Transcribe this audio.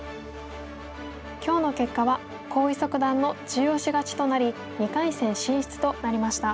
今日の結果は黄翊祖九段の中押し勝ちとなり２回戦進出となりました。